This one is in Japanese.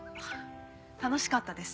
楽しかったです。